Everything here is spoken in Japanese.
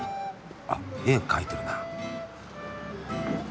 あっ絵描いてるな。